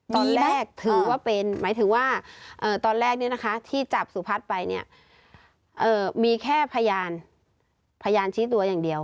ตอนแรกถือว่าเป็นหมายถึงว่าตอนแรกที่จับสุพัฒน์ไปเนี่ยมีแค่พยานพยานชี้ตัวอย่างเดียว